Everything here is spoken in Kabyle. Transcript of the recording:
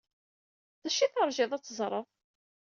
D acu ay teṛjiḍ ad t-teẓreḍ?